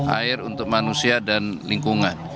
air untuk manusia dan lingkungan